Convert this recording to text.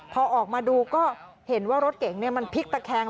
พอออกมาดูก็เห็นว่ารถเก๋งมันพลิกตะแคง